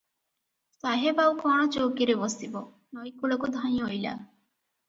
ସାହେବ ଆଉ କଣ ଚୌକିରେ ବସିବ, ନଈ କୂଳକୁ ଧାଇଁ ଅଇଲା ।